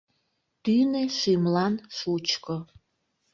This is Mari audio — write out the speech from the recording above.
Тӱнӧ шӱмлан шучко.